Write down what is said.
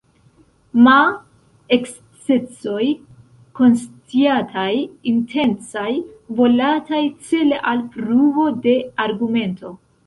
Ma ekscesoj konsciataj, intencaj, volataj, cele al pruvo de argumento.